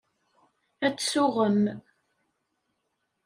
Ad tsuɣem.